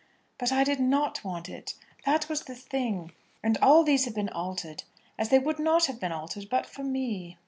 "But I did not want it. That was the thing. And all these have been altered, as they would not have been altered, but for me.